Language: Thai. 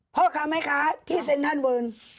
พ่อกลับไหมค่ะที่เซ็นต์นั้นเวิร์น